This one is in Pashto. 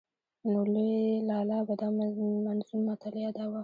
نو لوی لالا به دا منظوم متل ياداوه.